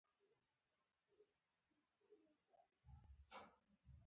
ده هر وخت حبیب الله په دې غندی چې فېشن ته توجه لري.